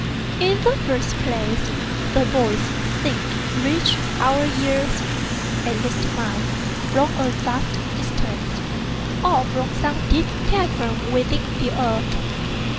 In the first place, the voice seemed to reach our ears—at least mine—from a vast distance, or from some deep cavern within the earth.